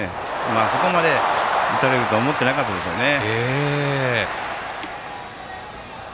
そこまで打たれるとは思ってなかったでしょうね。